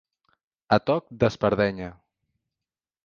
A toc d'espardenya.